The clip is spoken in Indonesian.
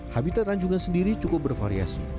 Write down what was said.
habitat rajungan sendiri cukup bervarias